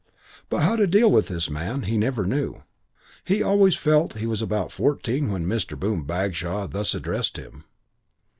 But how to deal with this man he never knew. He always felt he was about fourteen when Mr. Boom Bagshaw thus addressed him.